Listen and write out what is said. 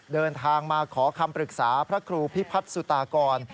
เดินทางมาขอคำปรึกษาพระครูพิพัฒน์สุตากร